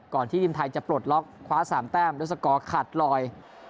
ที่ทีมไทยจะปลดล็อกคว้า๓แต้มด้วยสกอร์ขาดลอย